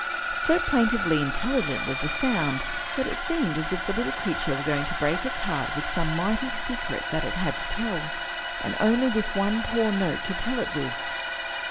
So plaintively intelligent was the sound, that it seemed as if the little creature were going to break its heart with some mighty secret that it had to tell, and only this one poor note to tell it with.